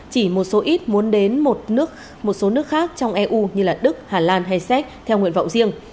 chỉ một số ít muốn đến một số nước khác trong eu như đức hà lan hay séc theo nguyện vọng riêng